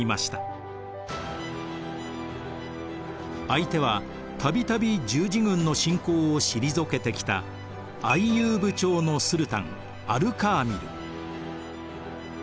相手は度々十字軍の侵攻を退けてきたアイユーブ朝のスルタンアル・カーミル。